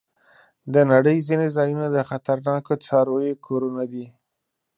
د نړۍ ځینې ځایونه د خطرناکو څارويو کورونه دي.